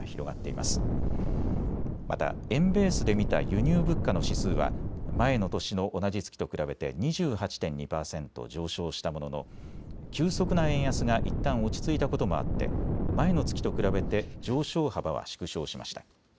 また円ベースで見た輸入物価の指数は前の年の同じ月と比べて２８．２％上昇したものの急速な円安がいったん落ち着いたこともあって前の月と比べて上昇幅は縮小しました。